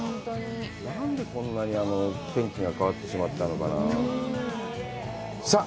何でこんなに天気が変わってしまったのかなぁ。